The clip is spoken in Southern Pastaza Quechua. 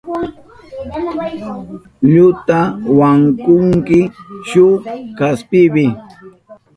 Iluta wankunki shuk kaspipi.